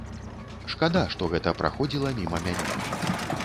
Шкада, што гэта праходзіла міма мяне.